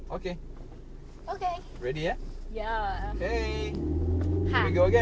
โอเคเรียบร้อย